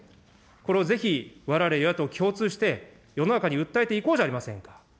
これをぜひ、われわれ、与野党共通して、世の中に訴えていこうじゃありませんか。